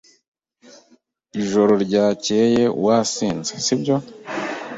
Ijoro ryakeye wasinze, si byo?